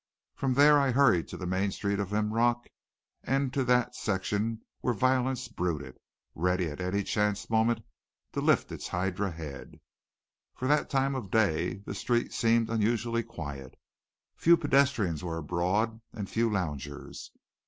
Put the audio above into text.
From there, I hurried to the main street of Linrock and to that section where violence brooded, ready at any chance moment to lift its hydra head. For that time of day the street seemed unusually quiet. Few pedestrians were abroad and few loungers.